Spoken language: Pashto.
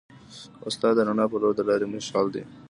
استاد د رڼا په لور د لارې مشعل دی.